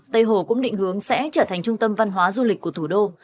tây hồ cũng định hướng sẽ trở thành trung tâm văn hóa du lịch của thủ đô